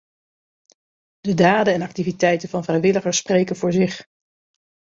De daden en activiteiten van vrijwilligers spreken voor zich.